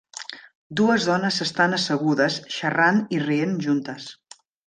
Dues dones s'estan assegudes xerrant i rient juntes.